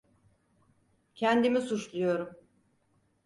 Kendimi suçluyorum.